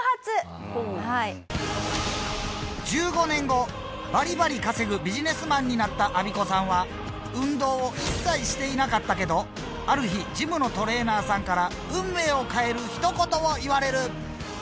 １５年後バリバリ稼ぐビジネスマンになったアビコさんは運動を一切していなかったけどある日ジムのトレーナーさんから運命を変える一言を言われる。